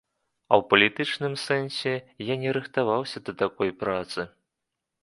А ў палітычным сэнсе я не рыхтаваўся да такой працы.